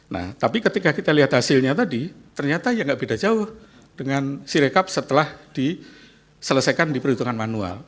nah tapi ketika kita lihat hasilnya tadi ternyata ya nggak beda jauh dengan si rekap setelah diselesaikan di perhitungan manual